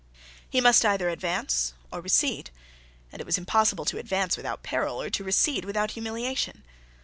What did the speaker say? He must either advance or recede: and it was impossible to advance without peril, or to recede without humiliation.